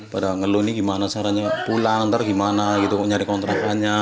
pada ngeluh ini gimana sarannya pulang nanti gimana nyari kontrakannya